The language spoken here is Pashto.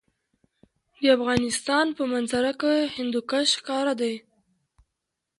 د افغانستان په منظره کې هندوکش ښکاره ده.